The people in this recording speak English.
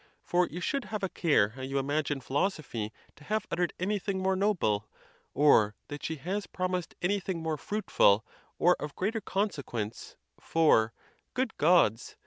For. you should have a care how you imagine philosophy. to. have uttered: any thing more noble, or that she has promised anything more fruitful or of greater consequénce, for, good Gods!